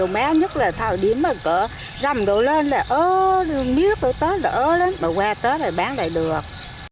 rau má nhất là thao điểm ở cỡ rằm đồ lên là ớ miếp ở tết là ớ lắm mà qua tết rồi bán lại được